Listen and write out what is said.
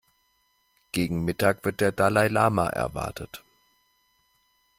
Gegen Mittag wird der Dalai-Lama erwartet.